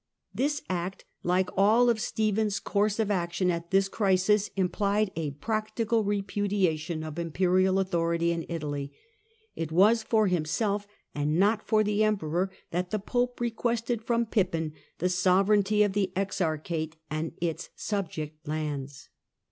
This act, like all Stephen's course of action at this crisis, implied a practical repudiation of Imperial authority in Italy ; it was for himself, and not for the Emperor, that the Pope requested from Pippin the sovereignty of the exarchate and its subject lands.